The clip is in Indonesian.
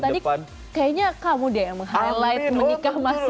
ini dari tadi kayaknya kamu deh yang meng highlight nikah masal itu